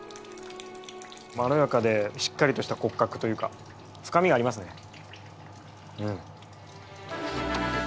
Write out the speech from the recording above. まろやかでしっかりとした骨格というか深みがありますね。